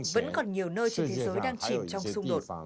vẫn còn nhiều nơi trên thế giới đang chìm trong xung đột